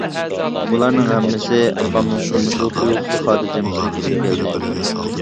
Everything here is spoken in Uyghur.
بۇلارنىڭ ھەممىسى ئاپامنىڭ تۇرمۇشىغا تۇيۇقسىز خاتىرجەمسىزلىك ئېلىپ كەلدى.